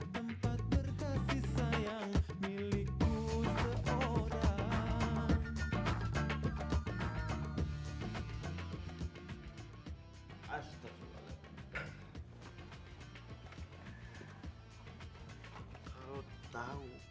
tempat berkasih sayang milikku seorang